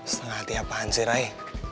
setengah hati apaan sih ray